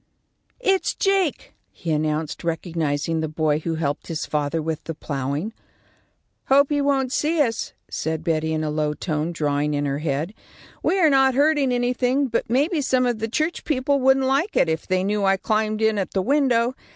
"It's Jake," he announced, recognising the boy who had helped his father with the ploughing. "Hope he won't see us," said Betty, in a low tone, drawing in her head. "We are not hurting anything, but maybe some of the church people wouldn't like it, if they knew I climbed in at the window.